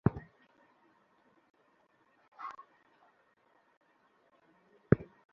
গতকাল বৃহস্পতিবার দুপুরে তাঁদের শেরপুরের মুখ্য বিচারিক হাকিমের আদালতে হাজির করা হয়।